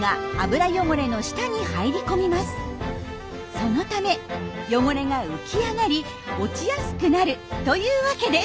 そのため汚れが浮き上がり落ちやすくなるというわけです。